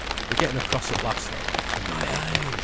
We getten across at last though, and my eyes!